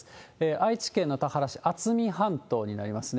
愛知県の田原市、渥美半島になりますね。